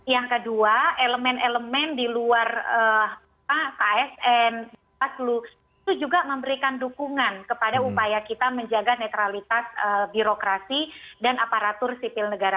yang kedua elemen elemen di luar asn itu juga memberikan dukungan kepada upaya kita menjaga netralitas birokrasi dan aparatur sipil negara